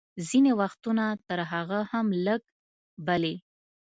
ځینې وختونه تر هغه هم لږ، بلې.